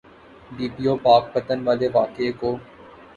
D P O Pakpattan والے واقعے کو۔